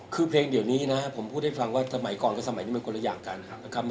คือเพลงเดี๋ยวนี้นะผมพูดให้ฟังว่าสมัยก่อนกับสมัยนี้มันคนละอย่างกันนะครับ